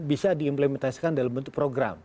bisa di implementasikan dalam bentuk program